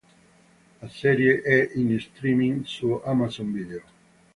La serie è in streaming su Amazon Video.